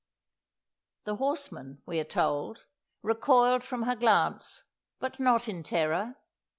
The horsemen, we are told, recoiled from her glance, but not in terror.